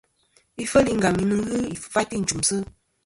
Ifel i Ngam nɨn ghɨ ifaytɨ i nchùmsɨ.